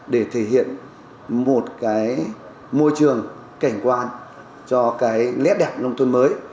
để thể hiện một cái môi trường cảnh quan cho cái nét đẹp nông thôn mới